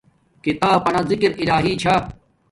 کتاپ بانا زکر الہی چھا